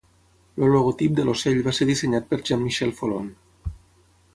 El logotip de l"ocell va ser dissenyat per Jean-Michel Folon.